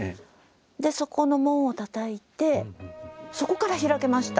でそこの門をたたいてそこから開けました。